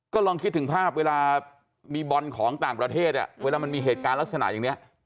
ก็ลองคิดถึงภาพเวลามีบอลของต่างประเทศเวลามันมีเหตุการณ์ลักษณะอย่างนี้